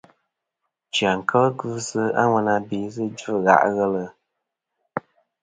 Chia kel gvɨsi a ŋwena be sɨ dzvɨ gha' ghelɨ.